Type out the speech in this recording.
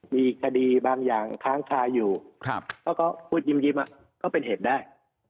มีคดีบางอย่างค้างคาอยู่เขาก็พูดยิ้มก็เป็นเหตุได้